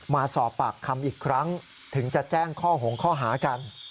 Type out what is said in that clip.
มาสอบปากคำอีกครั้งถึงจะแจ้งข้อหงข้อหากัน